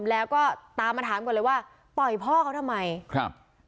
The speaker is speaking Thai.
แล้วก็ตามมาถามก่อนเลยว่าต่อยพ่อเขาทำไมครับ